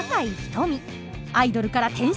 アイドルから転身。